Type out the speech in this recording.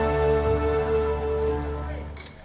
masih ada yang berpengaruh